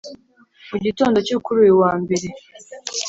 mu gitondo cyo kuri uyu wa mbere,